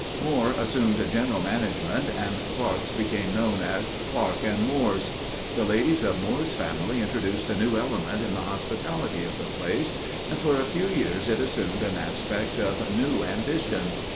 Moore assumed general management, and Clark's became known as "Clark and Moore's." The ladies of Moore's family introduced a new element in the hospitality of the place, and for a few years it assumed an aspect of new ambition.